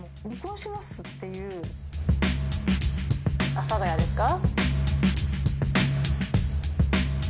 阿佐ヶ谷ですか。